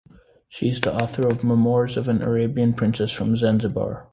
She is the author of "Memoirs of an Arabian Princess from Zanzibar".